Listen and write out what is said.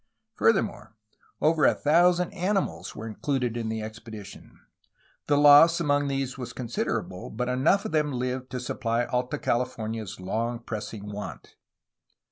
Furthermore, over a thousand animals were included in the expedition. The loss among these was considerable, but enough of them lived to supply Alta Cali fornia's long pressing want.